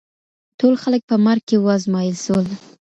ټول خلګ په مرګ کي وازمایل سول.